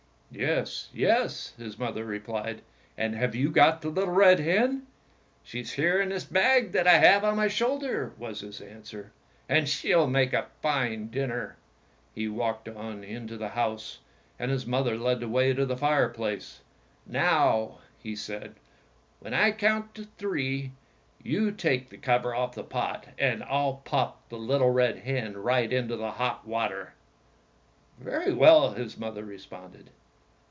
"Yes, yes," his mother replied, "and have you got the little red hen?" "She's here in this bag that I have on my shoulder," was his answer, "and she'll make a fine dinner." He walked on into the house, and his mother led the way to the fireplace. "Now," he said, "when I count three, you take the cover off the pot, and I'll pop the little red hen right into the hot water." "Very well," his mother responded.